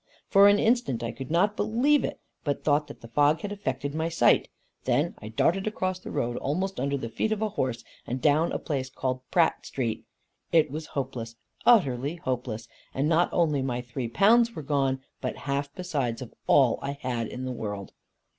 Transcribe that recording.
For an instant I could not believe it; but thought that the fog had affected my sight. Then I darted across the road, almost under the feet of a horse, and down a place called "Pratt Street." It was hopeless, utterly hopeless; and not only my three pounds were gone, but half besides of all I had in the world.